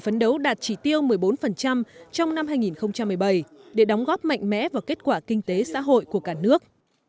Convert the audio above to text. phấn đấu đạt chỉ tiêu một mươi bốn trong năm hai nghìn một mươi bảy để đóng góp mạnh mẽ vào kết quả kinh tế xã hội của cả nước